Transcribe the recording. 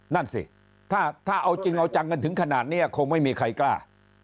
นั่นสิถ้าเอาจริงเอาจังกันถึงขนาดนี้คงไม่มีใครกล้า